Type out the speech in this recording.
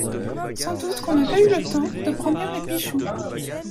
Sans doute qu'on n'a pas eu le temps de brandir les pichoux.